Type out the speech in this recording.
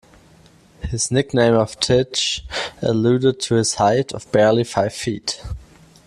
His nickname of Tich alluded to his height of barely five feet.